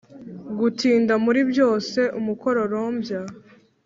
gutinda muri byose-umukororombya